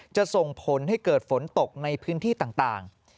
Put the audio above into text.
จะส่งผลให้เกิดฝนตกในพื้นที่ต่าง